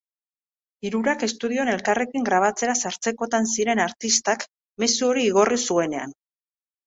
Hirurak estudioan elkarrekin grabatzera sartzekotan ziren artistak mezu hori igorri zuenean.